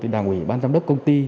đảng ủy ban giám đốc công ty